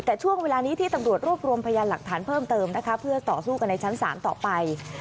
แต่ช่วงเวลานี้ที่ตำรวจรวบรวมพยานหลักฐานเพิ่มเติมนะคะเพื่อต่อสู้กันในชั้นศาลต่อไป